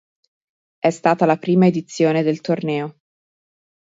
È stata la prima edizione del torneo.